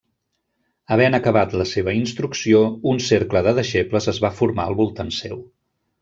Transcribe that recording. Havent acabat la seva instrucció, un cercle de deixebles es va formar al voltant seu.